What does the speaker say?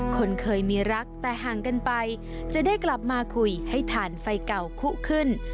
คนเคยมีรักแต่ห่างกันไปจะได้กลับมาคุยให้ถ่านไฟเก่าคุขึ้น